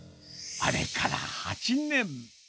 あれから８年。